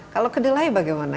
kalau kedelai bagaimana